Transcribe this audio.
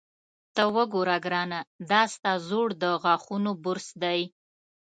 ته وګوره ګرانه، دا ستا زوړ د غاښونو برس دی.